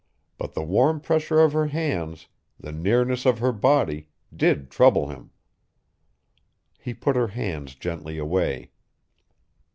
But the warm pressure of her hands, the nearness of her body, did trouble him. He put her hands gently away.